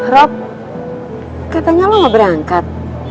rob katanya lo mau berangkat